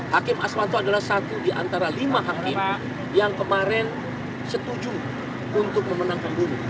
hakim aswanto adalah satu diantara lima hakim yang kemarin setuju untuk memenangkan bunuh